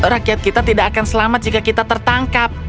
rakyat kita tidak akan selamat jika kita tertangkap